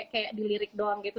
kayak di lirik doang gitu